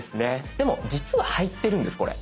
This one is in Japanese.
でも実は入ってるんですこれ。